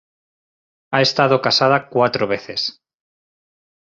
Ha estado casada cuatro veces.